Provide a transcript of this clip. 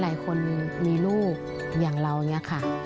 หลายคนมีลูกอย่างเราอย่างนี้ค่ะ